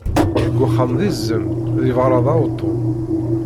Deg uxxam d izem, di beṛṛa d awtul.